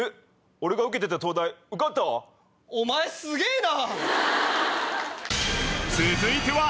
俺が受けてた東大受かった⁉お前すげぇな！